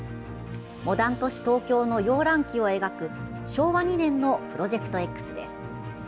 モダン都市東京の揺らん期を描く昭和２年のプロジェクトＸです。